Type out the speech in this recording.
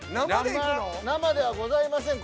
生ではございません。